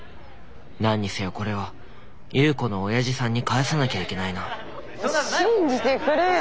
何にせよこれは夕子のおやじさんに返さなきゃいけないな信じてくれよ。